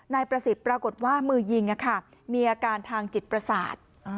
นายประสิทธิ์ปรากฏว่ามือยิงมีอาการทางจิตประสาท